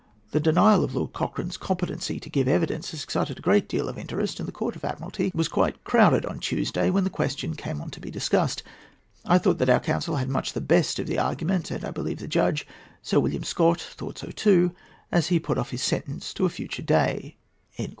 The denial of Lord Cochrane's competency to give evidence has excited a great deal of interest, and the Court of Admiralty was quite crowded on Tuesday, when the question came on to be discussed. I thought that our counsel had much the best of the argument, and I believe the judge, Sir William Scott, thought so too, as he put off his sentence to a future day."